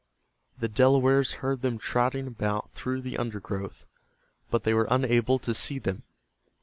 The Delawares heard them trotting about through the undergrowth, but they were unable to see them.